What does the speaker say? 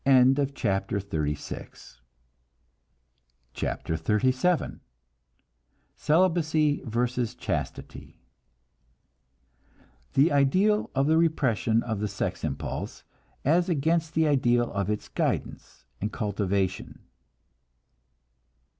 CHAPTER XXXVII CELIBACY VERSUS CHASTITY (The ideal of the repression of the sex impulse, as against the ideal of its guidance and cultivation.)